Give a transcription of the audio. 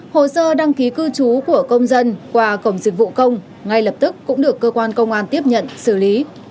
hồ sơ đăng ký cư trú của công dân qua cổng dịch vụ công ngay lập tức cũng được cơ quan công an tiếp nhận xử lý